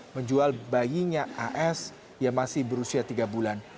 menjual bayinya as yang masih berusia tiga bulan